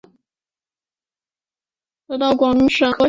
得到广东省科学技术奖特等奖。